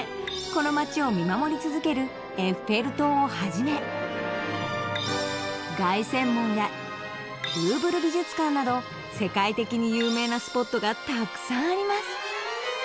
この街を見守り続けるエッフェル塔をはじめ凱旋門やルーブル美術館など世界的に有名なスポットがたくさんあります